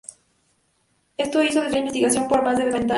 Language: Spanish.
Esto hizo desviar la investigación por más de noventa años.